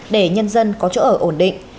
để nhân dân có chỗ ở ổn định